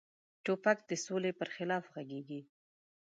توپک د سولې پر خلاف غږیږي.